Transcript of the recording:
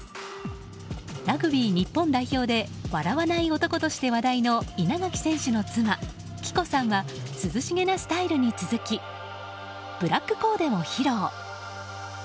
ラグビー日本代表で笑わない男として話題の稲垣選手の妻・貴子さんは涼しげなスタイルに続きブラックコーデを披露。